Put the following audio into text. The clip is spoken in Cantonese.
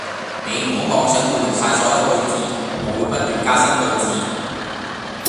你唔好妄想會錄晒所有句子，我會不斷加新句子